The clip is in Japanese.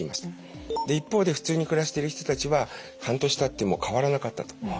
で一方で普通に暮らしている人たちは半年たっても変わらなかったと。